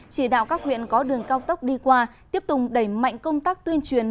chỉ đạo các huyện có đường cao tốc đi qua tiếp tục đẩy mạnh công tác tuyên truyền